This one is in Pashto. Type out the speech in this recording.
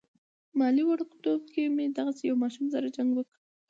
مالې وړوکتوب کې مې دغسې يو ماشوم سره جنګ وکه.